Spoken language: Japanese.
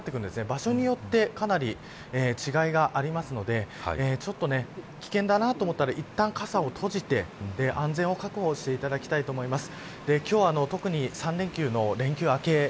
場所によってかなり違いがありますので危険だなと思ったらいったん傘を閉じて安全を確保していただきたいと思います。